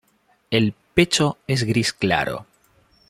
El pecho es gris claro.